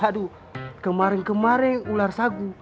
aduh kemarin kemarin ular sagu